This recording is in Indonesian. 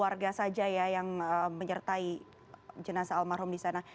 berarti di sana hanya ada keluarga saja ya yang menyertai jenazah almarhum di sana